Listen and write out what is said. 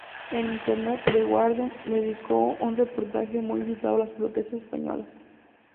En Internet, "The Guardian" dedicó un reportaje muy visitado a las protestas españolas.